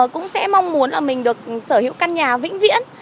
cũng sẽ mong muốn là mình được sở hữu căn nhà vĩnh viễn